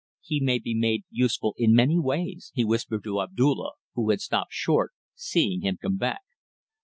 "He may be made useful in many ways," he whispered to Abdulla, who had stopped short, seeing him come back.